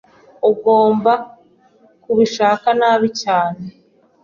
Ugomba kubishaka nabi cyane.